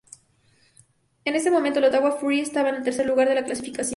En ese momento, el Ottawa Fury estaba en el tercer lugar de la clasificación.